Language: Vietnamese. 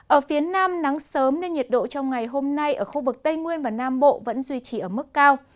ở phía nam nắng sớm nên nhiệt độ trong ngày hôm nay ở khu vực tây nguyên và nam bộ vẫn duy trì ở mức cao